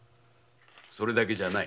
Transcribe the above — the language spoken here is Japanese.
それだけじゃない。